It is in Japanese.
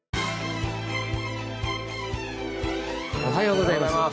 おはようございます。